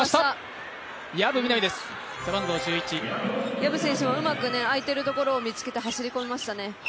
薮選手もうまくあいているところを見つけて走り込みましたね。